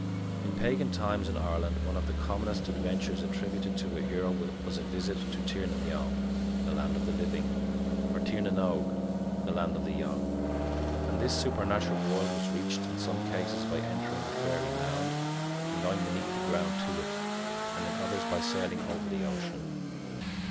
In pagan times in Ireland one of the commonest adventures attributed to a hero was a visit to "tír na m beó," the land of the living, or to "tír na n óg," the land of the young; and this supernatural world was reached in some cases by entering a fairy mound and going beneath the ground to it, and in others by sailing over the ocean.